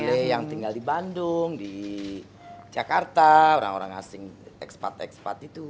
boleh yang tinggal di bandung di jakarta orang orang asing ekspat ekspat itu